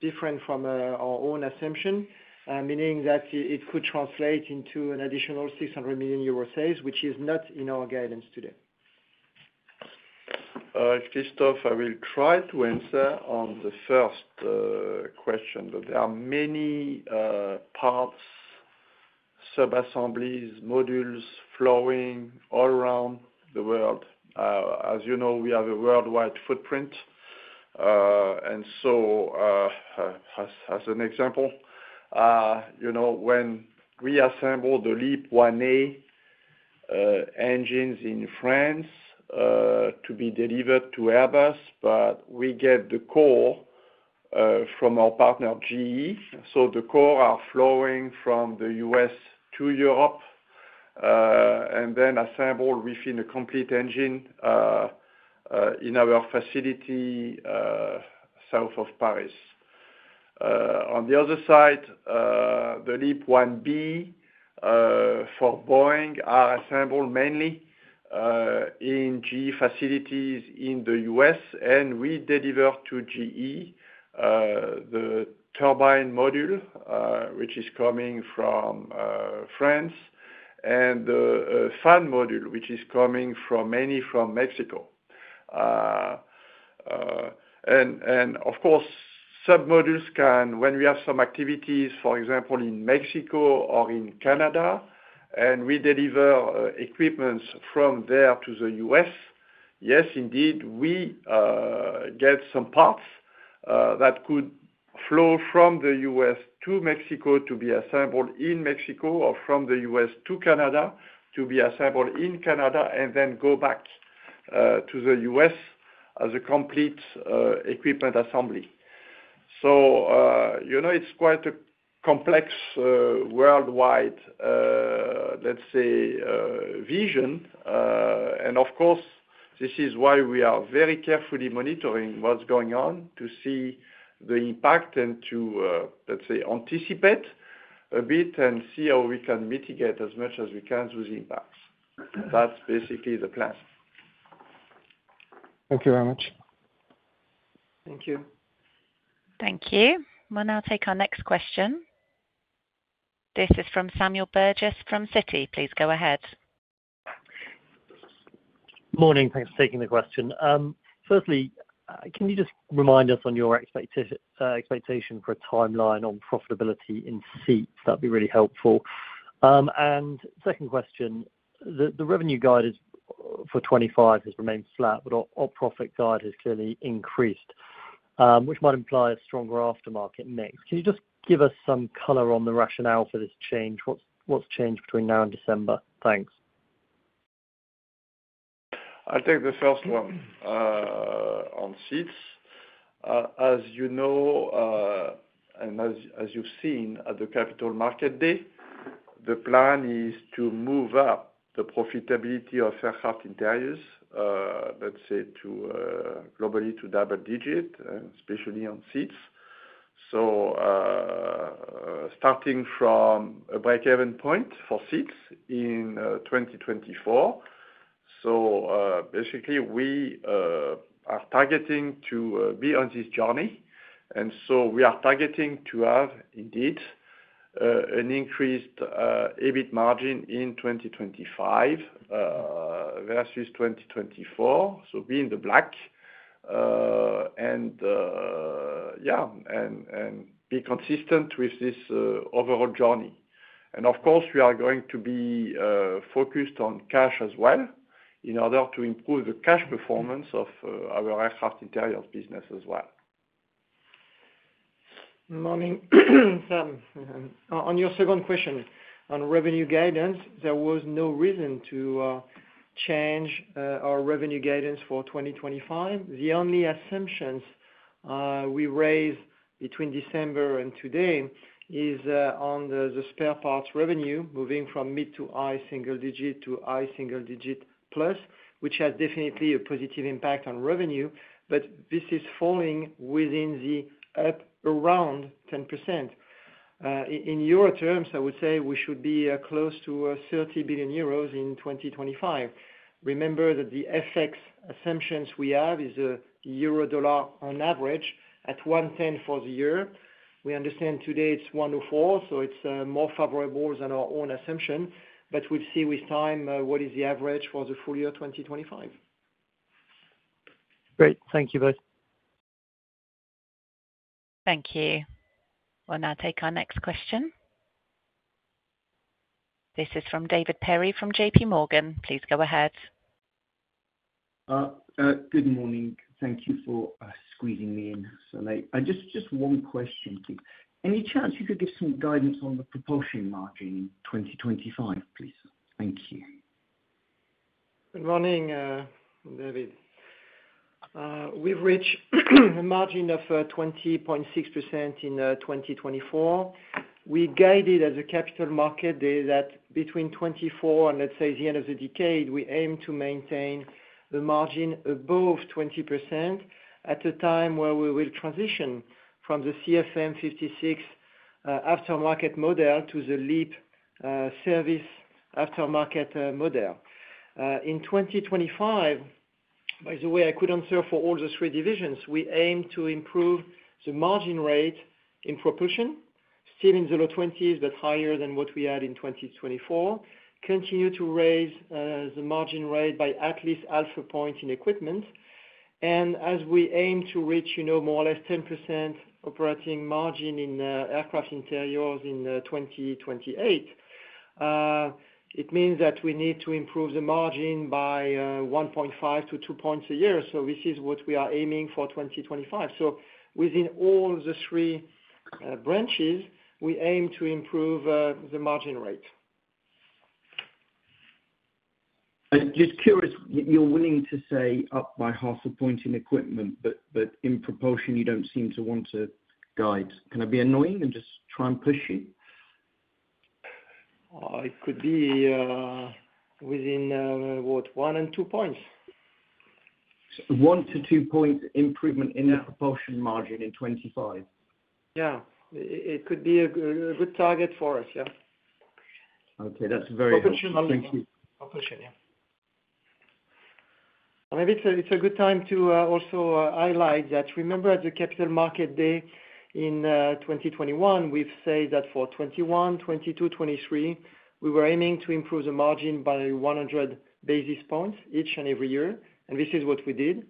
different from our own assumption, meaning that it could translate into an additional 600 million euro sales, which is not in our guidance today. Christophe, I will try to answer on the first question, but there are many parts, subassemblies, modules flowing all around the world. As you know, we have a worldwide footprint. And so, as an example, when we assemble the LEAP-1A engines in France to be delivered to Airbus, but we get the core from our partner GE. The cores are flowing from the U.S. to Europe and then assembled within a complete engine in our facility south of Paris. On the other side, the LEAP-1B for Boeing are assembled mainly in GE facilities in the U.S., and we deliver to GE the turbine module, which is coming from France, and the fan module, which is coming mainly from Mexico. And of course, submodules can, when we have some activities, for example, in Mexico or in Canada, and we deliver equipments from there to the U.S., yes, indeed, we get some parts that could flow from the U.S. to Mexico to be assembled in Mexico or from the U.S. to Canada to be assembled in Canada and then go back to the U.S. as a complete equipment assembly. It is quite a complex worldwide, let's say, vision. Of course, this is why we are very carefully monitoring what's going on to see the impact and to, let's say, anticipate a bit and see how we can mitigate as much as we can through the impacts. That's basically the plan. Thank you very much. Thank you. Thank you. We'll now take our next question. This is from Samuel Burgess from Citi. Please go ahead. Morning. Thanks for taking the question. Firstly, can you just remind us on your expectation for a timeline on profitability in seats? That'd be really helpful. And second question, the revenue guide for 2025 has remained flat, but our profit guide has clearly increased, which might imply a stronger aftermarket mix. Can you just give us some color on the rationale for this change? What's changed between now and December? Thanks. I take the first one on seats. As you know and as you've seen at the Capital Market Day, the plan is to move up the profitability of aircraft interiors, let's say, globally to double-digit, especially on seats. So starting from a break-even point for seats in 2024. So basically, we are targeting to be on this journey. And so we are targeting to have, indeed, an increased EBIT margin in 2025 versus 2024, so be in the black and, yeah, and be consistent with this overall journey. And of course, we are going to be focused on cash as well in order to improve the cash performance of our aircraft interiors business as well. Morning. On your second question on revenue guidance, there was no reason to change our revenue guidance for 2025. The only assumptions we raised between December and today is on the spare parts revenue moving from mid to high single digit to high single digit plus, which has definitely a positive impact on revenue, but this is falling within the up around 10%. In euro terms, I would say we should be close to 30 billion euros in 2025. Remember that the FX assumptions we have is euro dollar on average at 110 for the year. We understand today it's 104, so it's more favorable than our own assumption. But we'll see with time what is the average for the full year 2025. Great. Thank you both. Thank you. We'll now take our next question. This is from David Perry from JPMorgan. Please go ahead. Good morning. Thank you for squeezing me in so late. Just one question. Any chance you could give some guidance on the propulsion margin in 2025, please? Thank you. Good morning, David. We've reached a margin of 20.6% in 2024. We guided as a Capital Markets Day that between 2024 and, let's say, the end of the decade, we aim to maintain the margin above 20% at a time where we will transition from the CFM56 aftermarket model to the LEAP service aftermarket model. In 2025, by the way, I could answer for all the three divisions. We aim to improve the margin rate in Propulsion, still in the low 20s, but higher than what we had in 2024, continue to raise the margin rate by at least half a point in equipment. And as we aim to reach more or less 10% operating margin in aircraft interiors in 2028, it means that we need to improve the margin by 1.5-2 points a year. So this is what we are aiming for 2025. So within all the three branches, we aim to improve the margin rate. Just curious, you're willing to say up by half a point in equipment, but in propulsion, you don't seem to want to guide. Can I be annoying and just try and push you? It could be within, what, one and two points. One to two points improvement in the propulsion margin in 2025. Yeah. It could be a good target for us, yeah. Okay. That's very helpful. Propulsionally. Propulsion, yeah. Maybe it's a good time to also highlight that. Remember, at the Capital Market Day in 2021, we've said that for 2021, 2022, 2023, we were aiming to improve the margin by 100 basis points each and every year. This is what we did.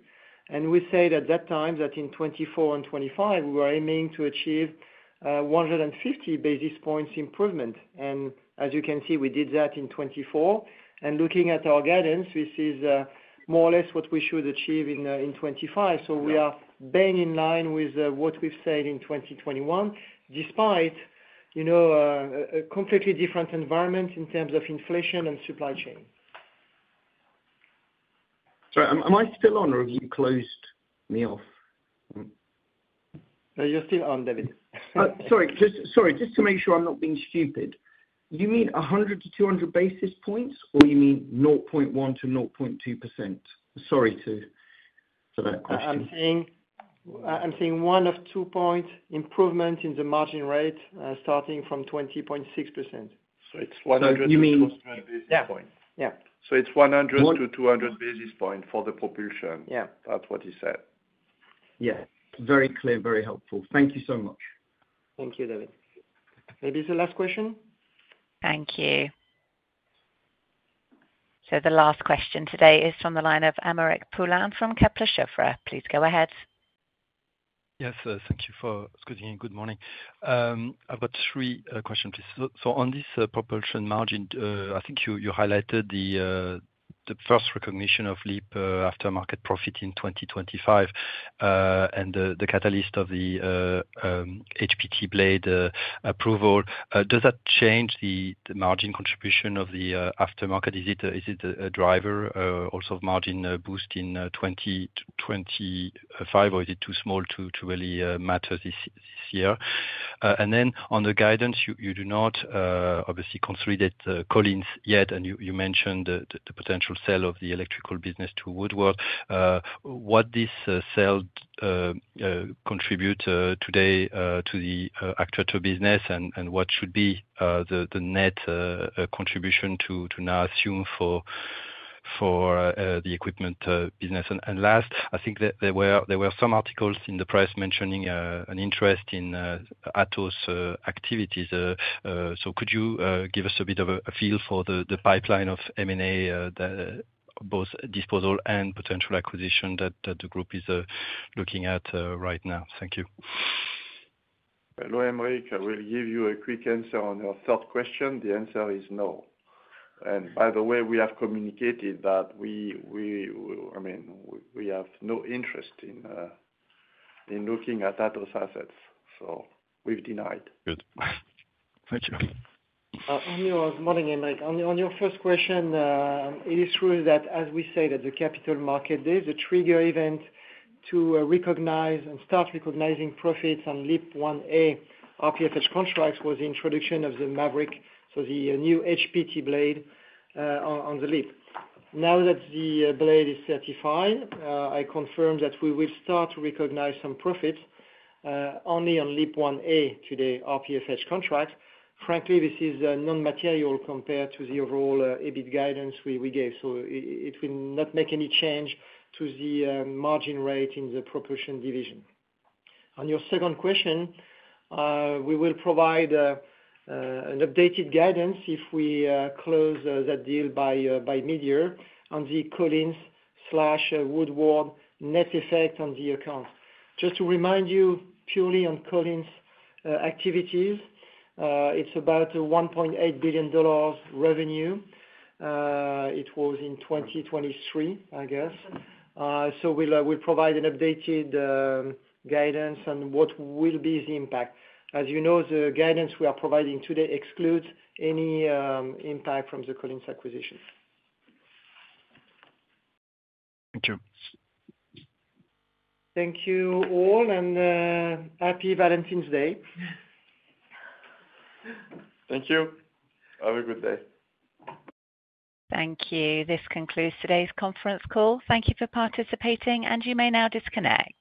We said at that time that in 2024 and 2025, we were aiming to achieve 150 basis points improvement. As you can see, we did that in 2024. Looking at our guidance, this is more or less what we should achieve in 2025. We are being in line with what we've said in 2021, despite a completely different environment in terms of inflation and supply chain. Sorry, am I still on or have you closed me off? You're still on, David. Sorry. Sorry. Just to make sure I'm not being stupid. You mean 100-200 basis points or you mean 0.1 to 0.2%? Sorry for that question. I'm saying one or two points improvement in the margin rate starting from 20.6%. So it's 100-200 basis points. Yeah. Yeah. So it's 100 to 200 basis points for the propulsion. That's what he said. Yeah. Very clear. Very helpful. Thank you so much. Thank you, David. Maybe it's the last question. Thank you. So the last question today is from the line of Aymeric Poulain from Kepler Cheuvreux. Please go ahead. Yes. Thank you for taking my question. Good morning. I've got three questions, please. So on this propulsion margin, I think you highlighted the first recognition of LEAP aftermarket profit in 2025 and the catalyst of the HPT blade approval. Does that change the margin contribution of the aftermarket? Is it a driver also of margin boost in 2025, or is it too small to really matter this year? And then on the guidance, you do not obviously consolidate Collins yet, and you mentioned the potential sale of the electrical business to Woodward. What this sale contributes today to the actual business, and what should be the net contribution to now assume for the equipment business? And last, I think there were some articles in the press mentioning an interest in Atos activities. So could you give us a bit of a feel for the pipeline of M&A, both disposal and potential acquisition that the group is looking at right now? Thank you. Hello, Aymeric. I will give you a quick answer on your third question. The answer is no. And by the way, we have communicated that we have no interest in looking at Atos assets. So we've denied. Good. Thank you. On your first question, it is true that as we said at the Capital Market Day, the trigger event to recognize and start recognizing profits on Leap-1A RPFH contracts was the introduction of the Maverick, so the new HPT blade on the Leap. Now that the blade is certified, I confirm that we will start to recognize some profits only on Leap-1A today, RPFH contracts. Frankly, this is non-material compared to the overall EBIT guidance we gave. So it will not make any change to the margin rate in the propulsion division. On your second question, we will provide an updated guidance if we close that deal by mid-year on the Collins/Woodward net effect on the account. Just to remind you, purely on Collins activities, it's about $1.8 billion revenue. It was in 2023, I guess. So we'll provide an updated guidance on what will be the impact. As you know, the guidance we are providing today excludes any impact from the Collins acquisition. Thank you. Thank you all, and happy Valentine's Day. Thank you. Have a good day. Thank you. This concludes today's conference call. Thank you for participating, and you may now disconnect.